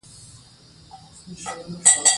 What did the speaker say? افغانستان له اوړي ډک دی.